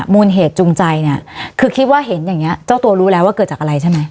มูลเหตุจูงใจเนี่ยคือคิดว่าเห็นอย่างนี้เจ้าตัวรู้แล้วว่าเกิดจากอะไรใช่ไหม